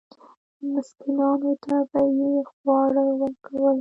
مسکینانو ته به یې خواړه ورکول.